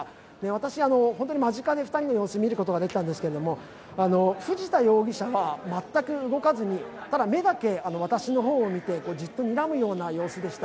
私、間近で２人の様子を見ることができたんですが藤田容疑者は全く動かずに、ただ目だけ私の方を見て、じっとにらむような様子でした。